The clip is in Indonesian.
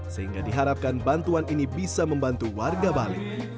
sehingga diharapkan bantuan ini bisa membantu warga bali